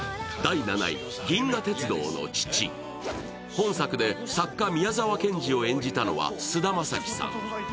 本作で作家・宮沢賢治を演じたのは菅田将暉さん。